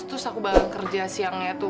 terus aku baru kerja siangnya tuh